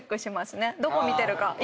どこ見てるか。